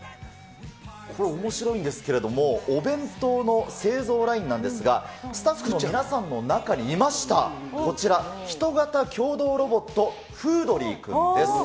これ、おもしろいんですけれども、お弁当の製造ラインなんですが、スタッフの皆さんの中にいました、こちら、人型協働ロボット、フードリーくんです。